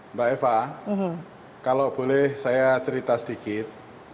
mbak eva kalau boleh saya cerita sedikit